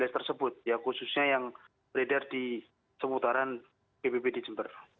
tersebut ya khususnya yang beredar di seputaran kabupaten jember